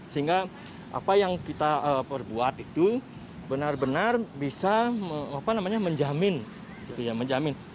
sehingga apa yang kita perbuat itu benar benar bisa menjamin